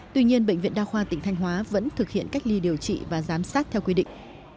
tuy nhiên bệnh viện đa khoa tỉnh thanh hóa vẫn thực hiện cách ly điều trị và giám sát theo quy định